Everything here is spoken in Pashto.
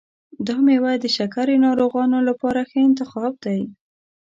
دا میوه د شکرې ناروغانو لپاره ښه انتخاب دی.